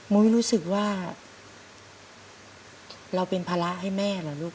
ุ้ยรู้สึกว่าเราเป็นภาระให้แม่เหรอลูก